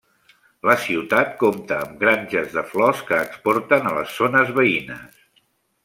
La ciutat compta amb grans granges de flors que exporten a les zones veïnes.